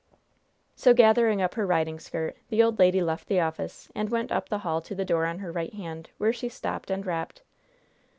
So, gathering up her riding skirt, the old lady left the office and went up the hall to the door on her right hand, where she stopped and rapped.